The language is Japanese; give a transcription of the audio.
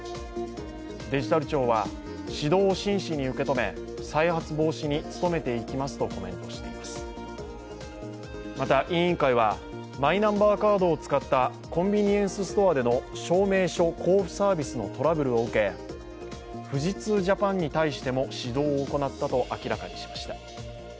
デジタル庁は指導を真摯に受け止め再発防止に努めていきますとコメントしましたまた委員会は、マイナンバーカードを使ったコンビニエンスストアでの証明書交付サービスのトラブルを受け、富士通Ｊａｐａｎに対しても指導を行ったと明らかにしました。